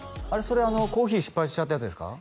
それコーヒー失敗しちゃったやつですか？